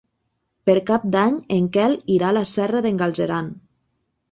Per Cap d'Any en Quel irà a la Serra d'en Galceran.